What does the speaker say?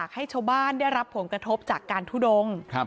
กระทบจากการทุดง